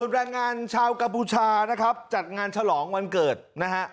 แรงงานชาวกัมพูชานะครับจัดงานฉลองวันเกิดนะฮะ